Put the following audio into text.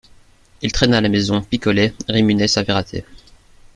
il traînait à la maison, picolait, ruminait sa vie ratée